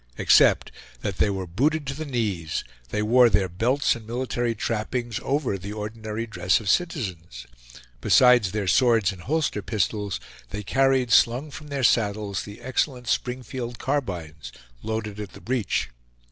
Except that they were booted to the knees, they wore their belts and military trappings over the ordinary dress of citizens. Besides their swords and holster pistols, they carried slung from their saddles the excellent Springfield carbines, loaded at the breech.